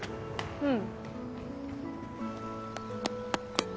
うん。